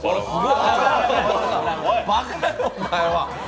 バカやろう、お前は。